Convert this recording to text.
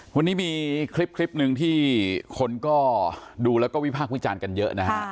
วันนี้มีคลิปหนึ่งที่คนก็ดูแล้วก็วิพากษ์วิจารณ์กันเยอะนะฮะ